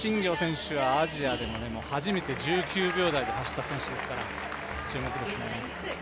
アジアでも初めて１９秒台で走った選手ですから注目ですね。